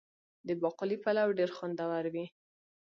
د باقلي پلو ډیر خوندور وي.